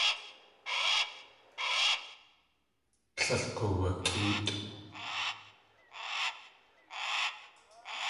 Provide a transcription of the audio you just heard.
Tlél k̲oowukʼéetʼ.